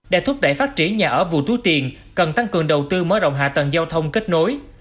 để thúc đẩy phát triển nhà ở vụ túi tiền cần tăng cường đầu tư mới động hạ tầng giao thông kết nối